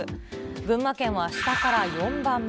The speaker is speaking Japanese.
群馬県は下から４番目。